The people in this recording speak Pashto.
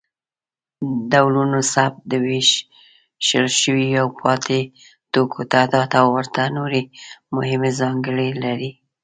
ډولونوثبت، د ویشل شویو او پاتې توکو تعداد او ورته نورې مهمې ځانګړنې لري.